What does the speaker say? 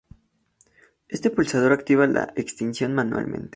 Este pulsador activa la extinción manualmente.